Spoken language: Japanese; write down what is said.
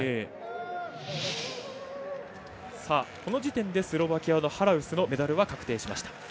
この時点でスロバキアのハラウスのメダルは確定しました。